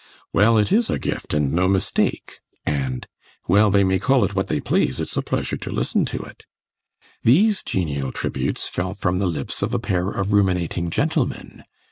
"Well, it is a gift, and no mistake," and "Well, they may call it what they please, it's a pleasure to listen to it" these genial tributes fell from the lips of a pair of ruminating gentlemen.